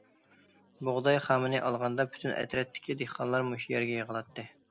بۇغداي خامىنى ئالغاندا، پۈتۈن ئەترەتتىكى دېھقانلار مۇشۇ يەرگە يىغىلاتتى.